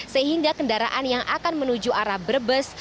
sehingga kendaraan yang akan menuju arah brebes